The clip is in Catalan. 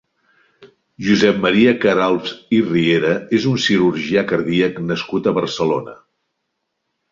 Josep Maria Caralps i Riera és un cirurgià cardíac nascut a Barcelona.